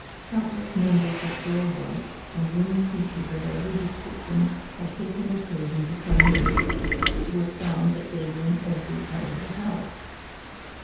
Countless numbers of dorbugs and winged creatures of every description had taken occasion to come in. It was found that they were in every part of the house.